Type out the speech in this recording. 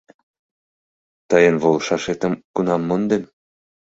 Тыйын волышашетым кунам мондем?!.